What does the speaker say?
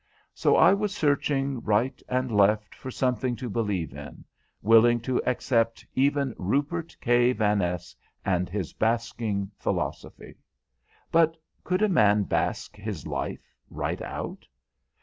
So I was searching right and left for something to believe in, willing to accept even Rupert K. Vaness and his basking philosophy. But could a man bask his life right out?